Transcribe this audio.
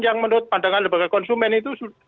yang menurut pandangan lembaga konsumen itu